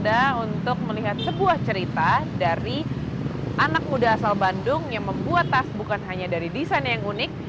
anak muda asal bandung yang membuat tas bukan hanya dari desain yang unik